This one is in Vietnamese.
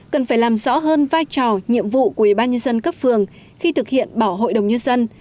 cần phải làm rõ hơn vai trò nhiệm vụ của ủy ban nhân dân cấp phường khi thực hiện bảo hội đồng nhân dân